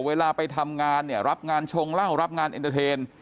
เวลาไปทำงานเนี่ยรับงานชงเหล้ารับงานเอ็นเตอร์เทน